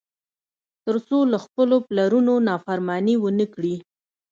تر څو له خپلو پلرونو نافرماني ونه کړي.